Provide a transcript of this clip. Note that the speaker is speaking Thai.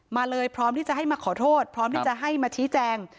มาเลยพร้อมที่จะให้มาขอโทษพร้อมที่จะให้มาชี้แจง